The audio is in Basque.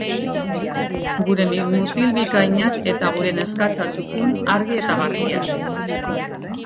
Gure mutil bikainak eta gure neskatxa txukun, argi eta garbiak.